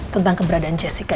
tentang keberadaan jessica